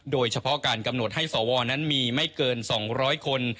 โดยเฉพาะการกำหนดให้สวนั้นมีไม่เกิน๒๐๐คน